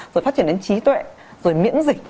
rồi phát triển đến trí tuệ rồi miễn dịch